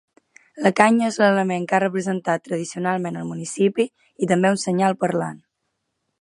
La canya és l'element que ha representat tradicionalment el municipi i també un senyal parlant.